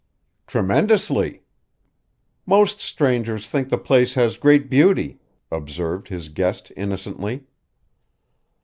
"Tremendously!" "Most strangers think the place has great beauty," observed his guest innocently.